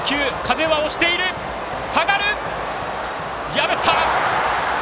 破った！